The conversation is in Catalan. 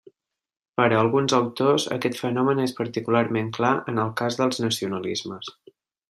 Per a alguns autors, aquest fenomen és particularment clar en el cas dels nacionalismes.